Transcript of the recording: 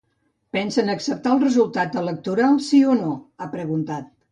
Pensen acceptar el resultat electoral sí o no?, ha preguntat.